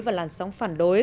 và làn sóng phản đối